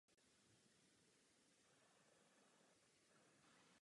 Užíval přípravek na růst prsou.